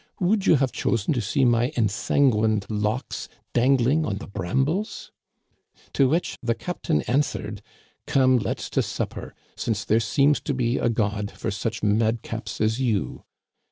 Would you have chosen to see my ensanguined locks dangling on the brambles ?' To which the captain answered :* Come, let's to supper, since there seems to be a God for such madcaps as you.'